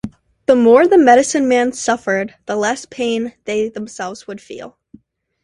The more the medicine men suffered, the less pain they themselves would feel.